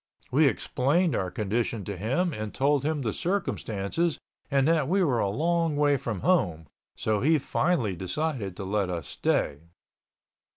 We explained our condition to him and told him the circumstances and that we were a long way from home, so he finally decided to let us stay.